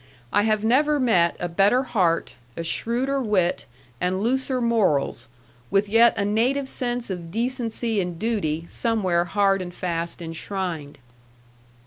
I have never met a better heart, a shrewder wit, and looser morals, with yet a native sense of decency and duty somewhere hard and fast enshrined.